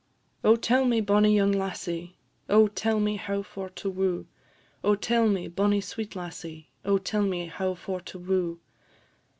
"_ "Oh, tell me, bonnie young lassie! Oh, tell me how for to woo! Oh, tell me, bonnie sweet lassie! Oh, tell me how for to woo!